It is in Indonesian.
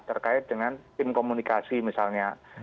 terkait dengan tim komunikasi misalnya